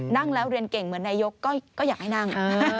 นั่งแล้วเรียนเก่งเหมือนนายกก็อยากให้นั่ง